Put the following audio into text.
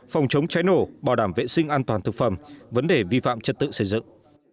phòng chống cháy nổ bảo đảm vệ sinh an toàn thực phẩm vấn đề vi phạm trật tự xây dựng